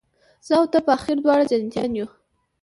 زه او ته به آخر دواړه جنتیان یو